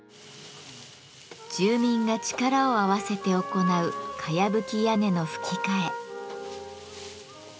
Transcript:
住民が力を合わせて行うかやぶき屋根のふき替え。